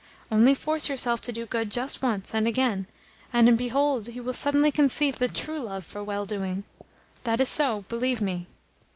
Only force yourself to do good just once and again, and, behold, you will suddenly conceive the TRUE love for well doing. That is so, believe me.